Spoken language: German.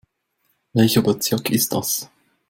Welcher Bezirk ist das?